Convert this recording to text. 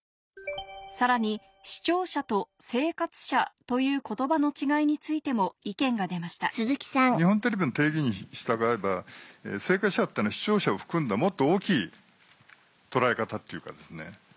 さらに「視聴者」と「生活者」という言葉の違いについても意見が出ました日本テレビの提言に従えば「生活者」っていうのは視聴者を含んだもっと大きい捉え方っていうかですね。